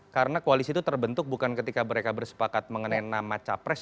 karena koalisi itu terbentuk bukan ketika mereka bersepakat mengenai nama capres